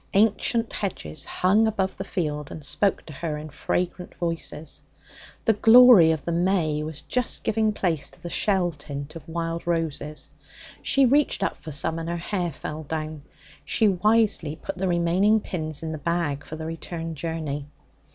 Ancient hedges hung above the field and spoke to her in fragrant voices. The glory of the may was just giving place to the shell tint of wild roses. She reached up for some, and her hair fell down; she wisely put the remaining pins in the bag for the return journey.